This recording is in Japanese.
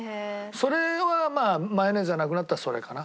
それはまあマヨネーズがなくなったらそれかな。